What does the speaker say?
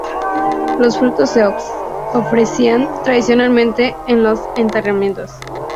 Los frutos se ofrecían tradicionalmente en los enterramientos.